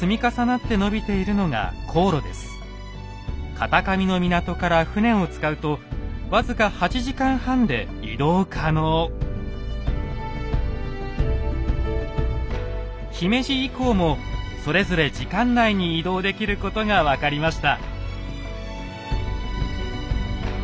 片上の港から船を使うと僅か姫路以降もそれぞれ時間内に移動できることが分かりました。